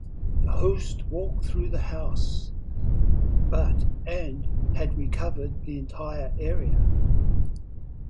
The host walked through the house but and had covered the entire area.